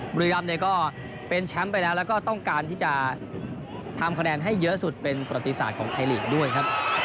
บุรีรำเนี่ยก็เป็นแชมป์ไปแล้วแล้วก็ต้องการที่จะทำคะแนนให้เยอะสุดเป็นประติศาสตร์ของไทยลีกด้วยครับ